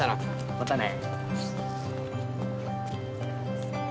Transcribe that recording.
またね